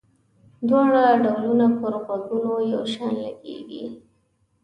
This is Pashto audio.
دواړه ډولونه پر غوږونو یو شان لګيږي.